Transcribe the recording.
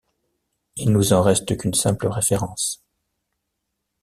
Il nous en reste qu'une simple référence.